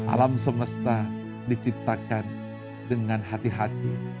alam semesta diciptakan dengan hati hati